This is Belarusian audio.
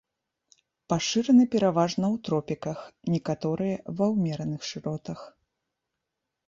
Пашыраны пераважна ў тропіках, некаторыя ва ўмераных шыротах.